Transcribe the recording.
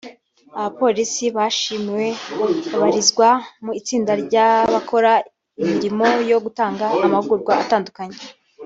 Aba bapolisi bashimiwe babarizwa mu itsinda ry’abakora imirimoyo gutanga amahugurwa atandukanye